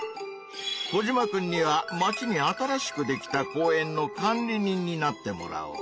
コジマくんには「町に新しくできた公園の管理人」になってもらおう。